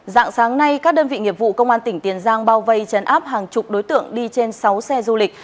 dạng sáng nay các đơn vị nghiệp vụ công an tỉnh tiền giang bao vây chấn áp hàng chục đối tượng đi trên sáu xe du lịch